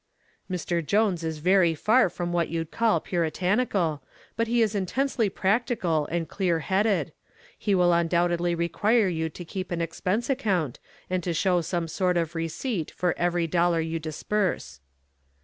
"Mr. Jones is very far from what you'd call puritanical, but he is intensely practical and clear headed. He will undoubtedly require you to keep an expense account and to show some sort of receipt for every dollar you disburse."